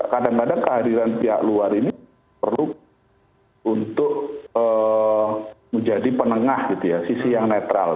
kadang kadang kehadiran pihak luar ini perlu untuk menjadi penengah gitu ya sisi yang netral